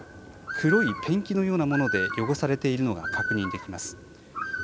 黒いペンキのようなもので汚されているのが確認できます。